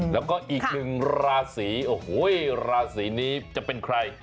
แล้วก็อีกหนึ่งราศีโอ้โหราศีนี้จะเป็นใคร